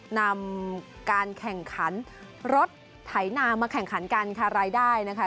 นำการแข่งขันรถไถนามาแข่งขันกันค่ะรายได้นะคะ